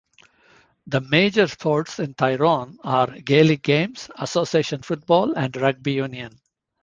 The major sports in Tyrone are Gaelic games, association football and rugby union.